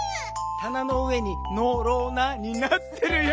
「たなの上にのろな」になってるよ。